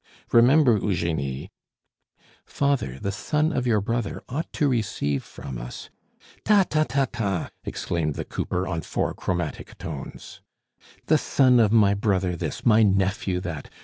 Remember, Eugenie " "Father, the son of your brother ought to receive from us " "Ta, ta, ta, ta!" exclaimed the cooper on four chromatic tones; "the son of my brother this, my nephew that!